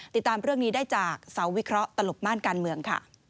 ติดตามเรื่องนี้ได้จากเสาวิเคราะห์ตลบม่านการเมืองค่ะ